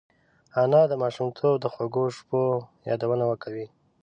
انا د ماشومتوب د خوږو شپو یادونه کوي